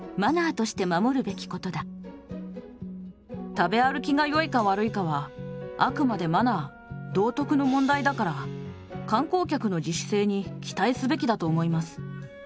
食べ歩きがよいか悪いかはあくまでマナー道徳の問題だから観光客の自主性に期待すべきだと思います。